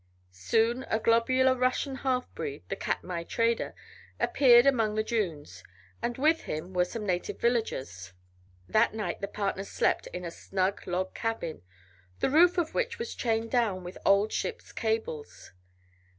Soon a globular Russian half breed, the Katmai trader, appeared among the dunes, and with him were some native villagers. That night the partners slept in a snug log cabin, the roof of which was chained down with old ships' cables.